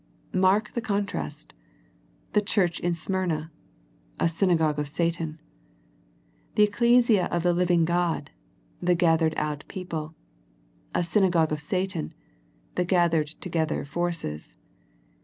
Mark the contrast. The church in Smyrna. A synagogue of Satan. The ecclesia of the living God, the gathered out people. . A synagogue of Satan, the gathered together forces.